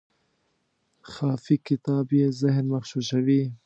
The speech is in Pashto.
خافي کتاب یې ذهن مغشوشوي.